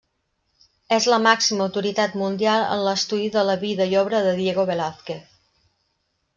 És la màxima autoritat mundial en l'estudi de la vida i obra de Diego Velázquez.